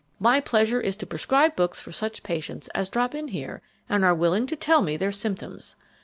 My pleasure is to prescribe books for such patients as drop in here and are willing to tell me their symptoms.